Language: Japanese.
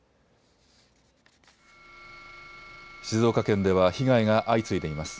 静岡県では被害が相次いでいます。